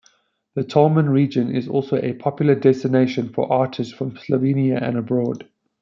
The Tolmin region is also a popular destination for artists from Slovenia and abroad.